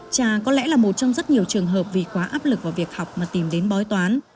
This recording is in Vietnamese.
trà có lẽ là một trong rất nhiều trường hợp vì quá áp lực vào việc học mà tìm đến bói toán